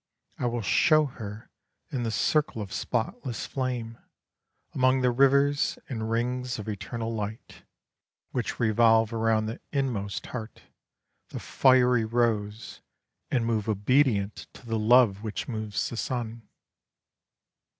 I will show her in the circle of spotless flame, among the rivers and rings of eternal light, which revolve around the inmost heart, the fiery rose, and move obedient to the Love which moves the sun."